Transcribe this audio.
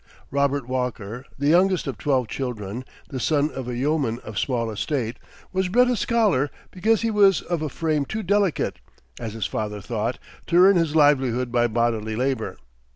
Robert Walker, the youngest of twelve children, the son of a yeoman of small estate, was bred a scholar because he was of a frame too delicate, as his father thought, to earn his livelihood by bodily labor.